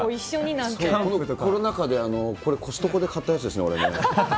コロナ禍で、これ、コストコで買ったやつですね、これね。